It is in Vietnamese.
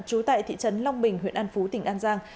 trú tại thị trấn long bình huyện an phú tỉnh an giang